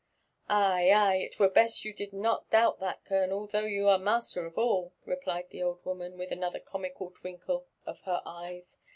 " Ay, ay! it were best you did not doubt that, colonel, though you are master of all," replied the old woman, with another comical twinkle of her eyes.